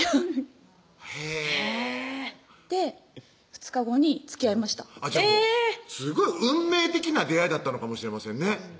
へぇ２日後につきあいましたえぇすごい運命的な出会いだったのかもしれませんね